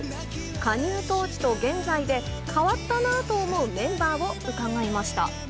加入当時と現在で、変わったなと思うメンバーを伺いました。